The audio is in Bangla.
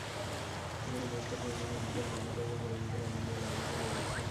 অনেকে জ্যেষ্ঠ প্রতিনিধিদের বসার জায়গা করে দিতে প্যান্ডেলের বাইরে চলে গেছেন।